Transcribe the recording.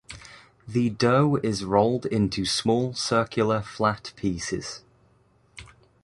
The dough is rolled into small circular flat pieces.